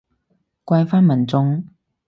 怪返民眾